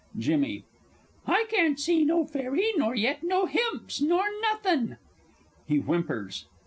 JIMMY. I can't see no fairy nor yet no himps nor nothen! [_He whimpers.